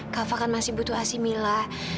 kak fah kan masih butuh asyik mila